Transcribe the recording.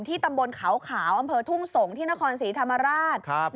ตำบลเขาขาวอำเภอทุ่งสงศ์ที่นครศรีธรรมราช